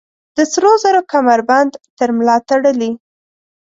د سروزرو کمربند تر ملا تړلي